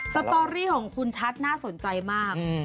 สตอรี่ของคุณชัดน่าสนใจมาก